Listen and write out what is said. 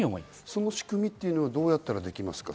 その仕組みはどうやったらできますか？